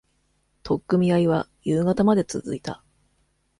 取っ組み合いは、夕方まで続いた。